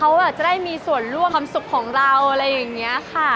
เขาจะได้มีส่วนร่วมความสุขของเราอะไรอย่างนี้ค่ะ